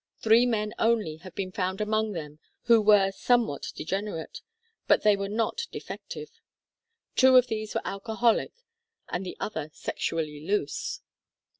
Three men only have been found among them who were some what degenerate, but they were not defective. Two of these were alcoholic, and the other sexually loose.